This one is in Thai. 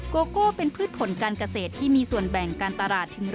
โกโก้เป็นพืชผลการเกษตรที่มีส่วนแบ่งการตลาดถึง๑๐๐